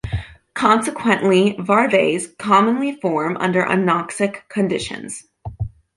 Consequently, varves commonly form under anoxic conditions.